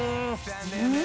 うん？